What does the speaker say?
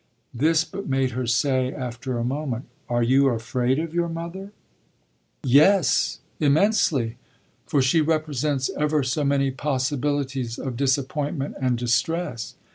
This but made her say after a moment: "Are you afraid of your mother?" "Yes, immensely; for she represents ever so many possibilities of disappointment and distress.